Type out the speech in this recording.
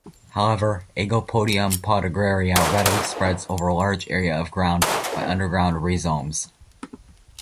However, "Aegopodium podagraria" readily spreads over large areas of ground by underground rhizomes.